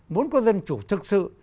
muốn có dân chủ thực sự